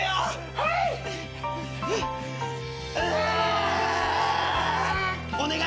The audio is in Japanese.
はい！